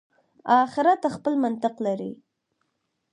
آخرت خپل منطق لري.